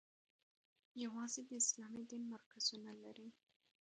یوازې د اسلامي دین مرکزونه لري.